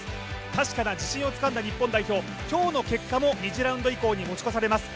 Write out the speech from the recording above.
確かな自信をつかんだ日本代表、今日の結果も２次ラウンド以降に持ち越されます